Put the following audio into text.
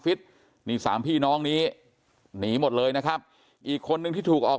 ฟิตนี่สามพี่น้องนี้หนีหมดเลยนะครับอีกคนนึงที่ถูกออก